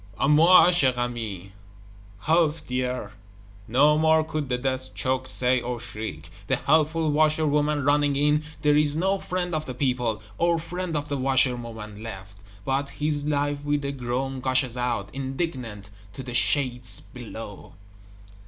"À moi, chère amie (Help, dear)!" no more could the Death choked say or shriek. The helpful Washer woman running in there is no Friend of the People, or Friend of the Washer woman, left; but his life with a groan gushes out, indignant, to the shades below!